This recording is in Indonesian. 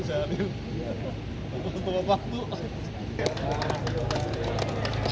jemaah calon haji di mekah